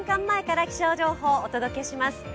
前から気象情報、お届けします。